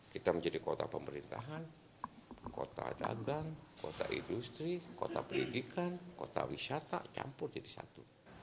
kita menjadi kota pemerintahan kota dagang kota industri kota pendidikan kota wisata campur jadi satu